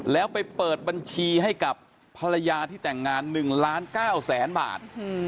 แล้วไปเปิดบัญชีให้กับภรรยาที่แต่งงาน๑ล้าน๙แสนบาท